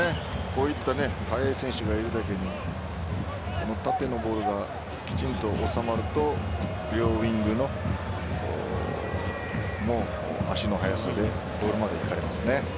こういった速い選手がいるだけに縦のボールがきちんと収まると両ウイングの足の速さでゴール前までいかれますね。